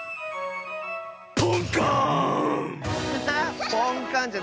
ポンカーン！